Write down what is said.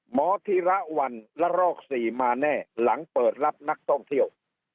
ธีระวันละรอก๔มาแน่หลังเปิดรับนักท่องเที่ยว